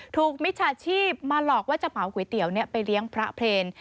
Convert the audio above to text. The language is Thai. มิจฉาชีพมาหลอกว่าจะเผาก๋วยเตี๋ยวไปเลี้ยงพระเพลน